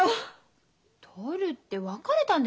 とるって別れたんでしょ？